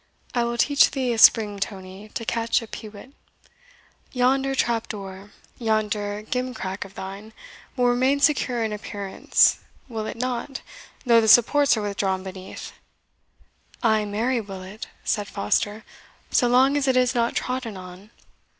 I will teach thee a spring, Tony, to catch a pewit. Yonder trap door yonder gimcrack of thine, will remain secure in appearance, will it not, though the supports are withdrawn beneath?" "Ay, marry, will it," said Foster; "so long as it is not trodden on."